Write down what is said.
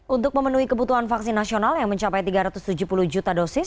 untuk memenuhi kebutuhan vaksin nasional yang mencapai tiga ratus tujuh puluh juta dosis